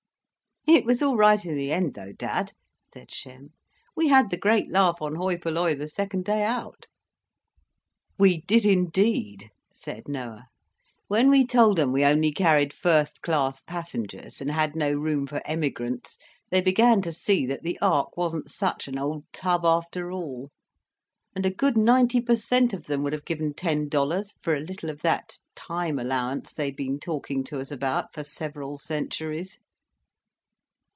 "It was all right in the end, though, dad," said Shem. "We had the great laugh on 'hoi polloi' the second day out." "We did, indeed," said Noah. "When we told 'em we only carried first class passengers and had no room for emigrants, they began to see that the Ark wasn't such an old tub, after all; and a good ninety per cent. of them would have given ten dollars for a little of that time allowance they'd been talking to us about for several centuries."